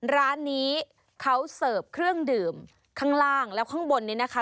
ร้านนี้เขาเสิร์ฟเครื่องดื่มข้างล่างแล้วข้างบนนี้นะคะ